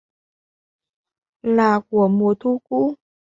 Là của mùa thu cũ